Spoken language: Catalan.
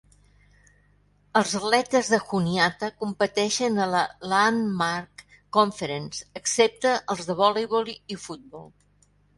Els atletes de Juniata competeixen a la Landmark Conference, excepte els de voleibol i futbol.